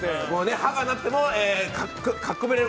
歯がなくてもかきこめる。